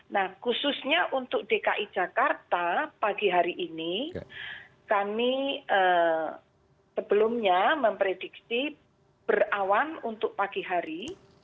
nah khususnya untuk dki jakarta pagi hari ini kami sebelumnya memprediksi berawan untuk pagi hari